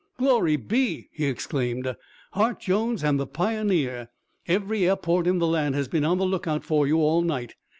"Glory be!" he exclaimed. "Hart Jones and the Pioneer. Every airport in the land has been on the lookout for you all night.